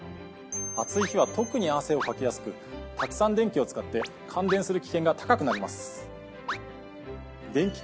暑い日は特に汗をかきやすくたくさん電気を使って感電する危険が高くなります。